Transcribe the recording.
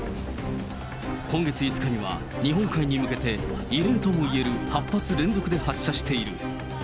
今月５日には日本海に向けて異例ともいえる８発連続で発射している。